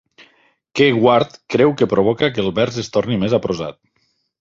Que Ward creu que provoca que el vers es torni més "aprosat".